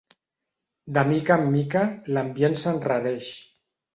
De mica en mica, l'ambient s'enrareix.